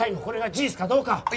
これが事実かどうか。